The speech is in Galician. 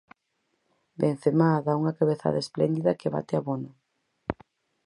Benzemá dá unha cabezada espléndida que bate a Bono.